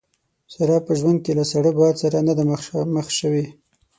ساره په ژوند کې له ساړه باد سره نه ده مخامخ شوې.